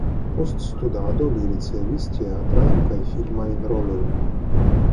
Post studado li ricevis teatrajn kaj filmajn rolojn.